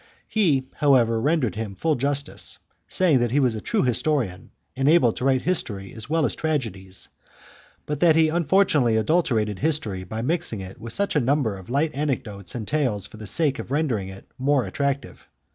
He, however, rendered him full justice, saying that he was a true historian, and able to write history as well as tragedies, but that he unfortunately adulterated history by mixing with it such a number of light anecdotes and tales for the sake of rendering it more attractive.